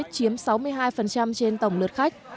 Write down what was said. chiếm sáu mươi hai trên tổng lượt khách